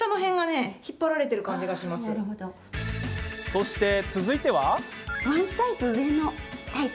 そして続いては。